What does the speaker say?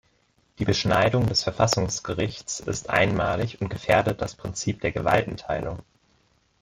Die Beschneidung des Verfassungsgerichts ist einmalig und gefährdet das Prinzip der Gewaltenteilung.